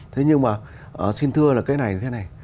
thế nhưng mà xin thưa là cái này như thế này